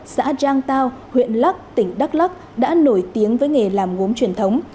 xã giang tao huyện lắc tỉnh đắk lắc đã nổi tiếng với nghề làm gốm truyền thống